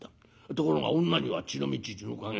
ところが女には血の道血の加減。